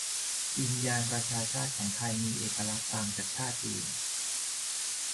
'วิญญาณประชาชาติของไทยมีเอกลักษณ์ต่างจากชาติอื่น'